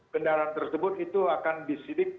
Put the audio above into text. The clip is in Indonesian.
kendaraan tersebut itu akan disidik